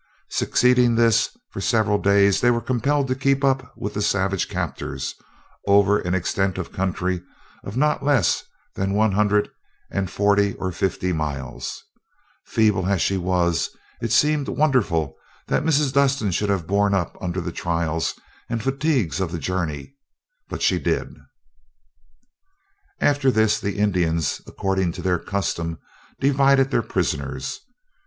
Succeeding this, for several days they were compelled to keep up with the savage captors, over an extent of country of not less than one hundred and forty or fifty miles. Feeble as she was, it seems wonderful that Mrs. Dustin should have borne up under the trials and fatigues of the journey; but she did. [Illustration: The resolute father continued to fire as he retreated.] After this, the Indians, according to their custom, divided their prisoners.